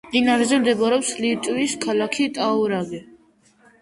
მდინარეზე მდებარეობს ლიტვის ქალაქი ტაურაგე.